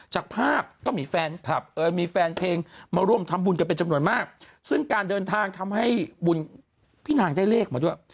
จากภาพก็มีแฟนคลับมีแฟนเพลงมาร่วมทำบุญกันเป็นจำนวนมากซึ่งการเดินทางทำให้บุญพี่นางได้เลขมาด้วย